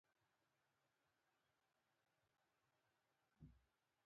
پیشو مې په ځیر خپل ښکار نیسي.